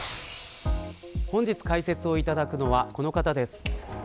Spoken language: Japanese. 本日、解説をいただくのはこの方です。